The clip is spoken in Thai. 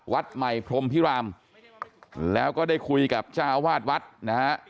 วัดใหม่พรมพิรามแล้วก็ได้คุยกับเจ้าอาวาสวัดนะฮะ